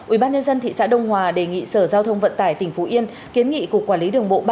ubnd thị xã đông hòa đề nghị sở giao thông vận tải tỉnh phú yên kiến nghị cục quản lý đường bộ ba